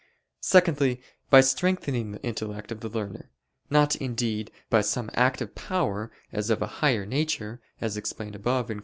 Secondly, by strengthening the intellect of the learner; not, indeed, by some active power as of a higher nature, as explained above (Q.